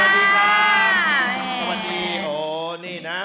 สวัสดีโอ้นี่นะ